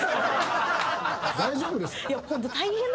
大丈夫ですか？